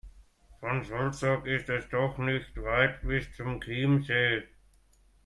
Von Salzburg ist es doch nicht weit bis zum Chiemsee.